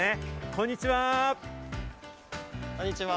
こんにちは。